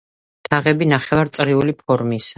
თაღები ნახევარწრიული ფორმისაა.